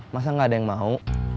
masa gak ada yang mau